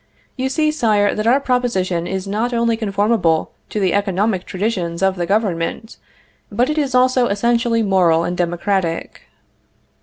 You see, Sire, that our proposition is not only conformable to the economic traditions of the government, but it is also essentially moral and democratic.